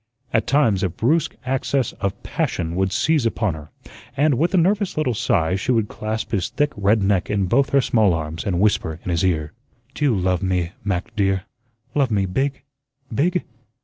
At times, a brusque access of passion would seize upon her, and, with a nervous little sigh, she would clasp his thick red neck in both her small arms and whisper in his ear: "Do you love me, Mac, dear? Love me BIG, BIG?